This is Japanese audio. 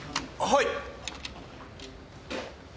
はい？